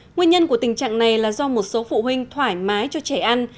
nguyên nhân của tình trạng này là do một số phụ huynh thoải mái cho trẻ ăn